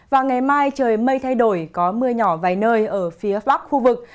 và ngày mai trời mây thay đổi có mưa nhỏ vài nơi ở phía bắc khu vực